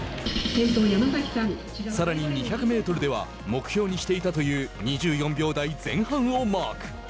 さらに２００メートルでは目標にしていたという２４秒台前半をマーク。